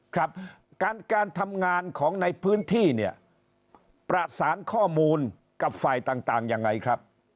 ครับการการทำงานของในพื้นที่เนี่ยประสานข้อมูลกับฝ่ายต่างยังไงครับ